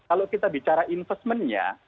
kalau kita bicara investmentnya